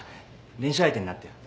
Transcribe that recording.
練習相手になってよ。